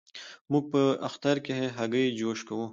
موږ په اختر کې هګی جوش کوو.